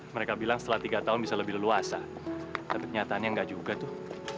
mereka bilang setelah tiga tahun bisa lebih leluasa tapi kenyataannya nggak juga tuh